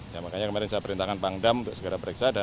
ya makanya kemarin saya perintahkan pangdam untuk segera periksa